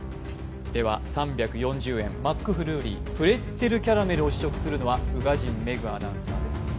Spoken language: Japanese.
では３４０円、マックフルーリープレッツェルキャラメルを試食するのは宇賀神メグアナウンサーです。